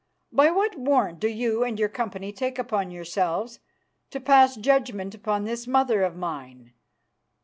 By what warrant do you and your company take upon yourselves to pass judgment upon this mother of mine?